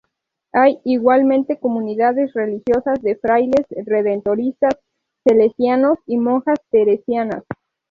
Hay igualmente comunidades religiosas de frailes redentoristas, salesianos y monjas teresianas.